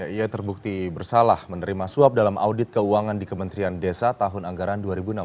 ia terbukti bersalah menerima suap dalam audit keuangan di kementerian desa tahun anggaran dua ribu enam belas